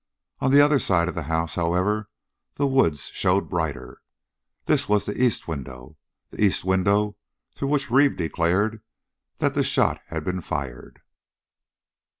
On the other side of the house, however, the woods showed brighter. This was the east window the east window through which Reeve declared that the shot had been fired.